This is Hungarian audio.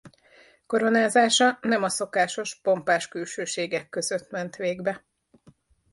Koronázása nem a szokásos pompás külsőségek között ment végbe.